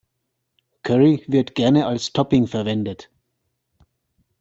Curry wird gerne als Topping verwendet.